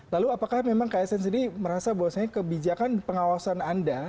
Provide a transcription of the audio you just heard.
lalu apakah memang ke asn sendiri merasa bahwa kebijakan pengawasan anda